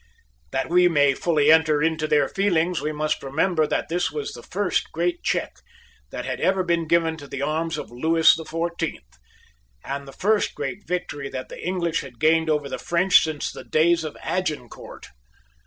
That we may fully enter into their feelings, we must remember that this was the first great check that had ever been given to the arms of Lewis the Fourteenth, and the first great victory that the English had gained over the French since the day of Agincourt.